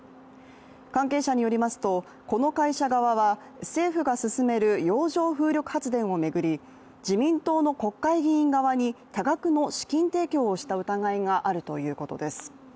関係者によりますと、この会社側は政府が進める洋上風力発電を巡り自民党の国会議員側に多額の資金提供をした疑いがあるということです。